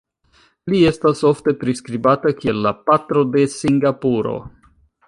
Li estas ofte priskribata kiel la "Patro de Singapuro".